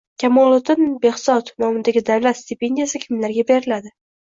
Kamoliddin Behzod nomidagi davlat stipendiyasi kimlarga beriladi?